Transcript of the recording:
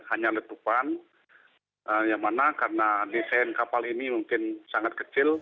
hanya letupan yang mana karena desain kapal ini mungkin sangat kecil